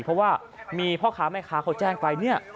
เพราะว่ามีพ่อค้าแม่ค้าเขาแจ้งไปเนี่ย